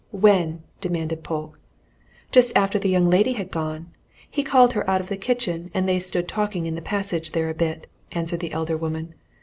"When?" demanded Polke. "Just after the young lady had gone. He called her out of the kitchen, and they stood talking in the passage there a bit," answered the elder woman.